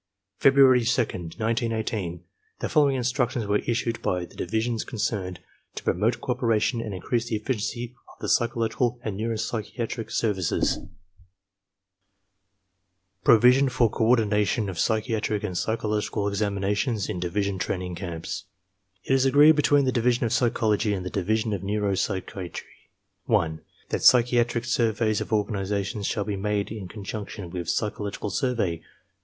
February 2, 1918, the following instructions were issued, by the divisions concerned, to promote cooperation and increase the efficiency of the psychological and neuro psychiatric services: PROVISION FOR COORDINATION OF PSYCHIATRIC AND PSYCHOLOGICAL EXAMINATIONS IN DIVISIONAL TRAINING CAMPS It is agreed between the Division of Psychology and the Division of Neuro psychiatry : (1) That psychiatric survey of organizations shall be made in con junction with psychological survey.